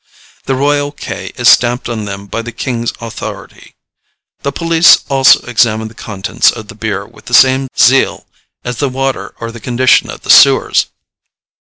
The royal K is stamped on them by the King's authority. The police also examine the contents of the beer with the same zeal as the water or the condition of the sewers.